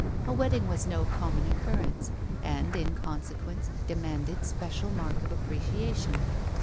A wedding was no common occurrence, and, in consequence, demanded special mark of appreciation.